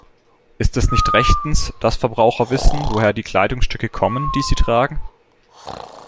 Ist es nicht rechtens, dass Verbraucher wissen, woher die Kleidungsstücke kommen, die sie tragen?